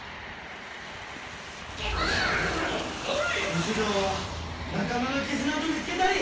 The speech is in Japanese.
武士道は仲間の絆と見つけたり！